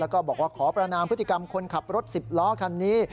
แล้วก็บอกว่าขอประนามพฤติกรรมคนขับรถ๑๐ล้อคันนี้